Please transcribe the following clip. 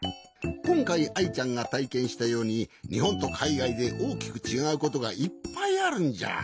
こんかいアイちゃんがたいけんしたようににほんとかいがいでおおきくちがうことがいっぱいあるんじゃ。